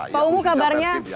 ya itu persib ya